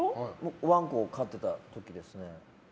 ワンコを飼っていた時ですね。